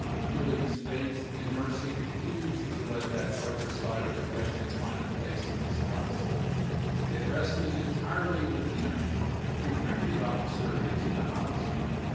Julian's faith in Mercy refused to let that darker side of the question find a place in his thoughts. It rested entirely with him to bring the officer into the house.